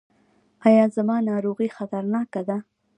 ایا زما ناروغي خطرناکه ده؟